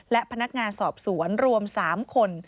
และพนักงานสอบสวนรวม๓คน